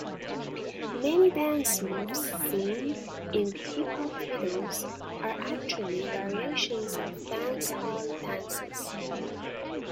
Many dance moves seen in hip hop videos are actually variations of dancehall dances.